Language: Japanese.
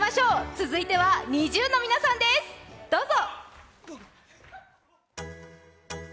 続いてはＮｉｚｉＵの皆さんです、どうぞ。